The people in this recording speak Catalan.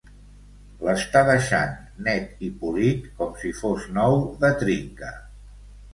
L'està deixant net i polit com si fos nou de trinca.